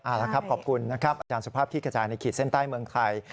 เอาละครับขอบคุณนะครับอาจารย์สุภาพที่กระจายในขีดเส้นใต้เมืองไทย